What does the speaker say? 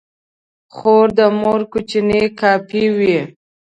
خور د مور کوچنۍ کاپي وي.